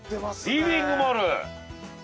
リビングもある！